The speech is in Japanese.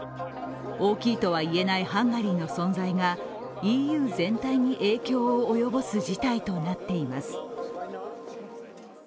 大きいとは言えないハンガリーの存在がＥＵ全体に影響を及ぼす事態となっています。